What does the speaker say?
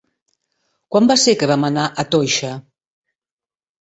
Quan va ser que vam anar a Toixa?